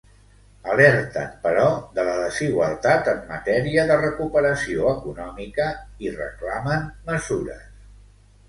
Alerten, però, de la desigualtat en matèria de recuperació econòmica i reclamen mesures.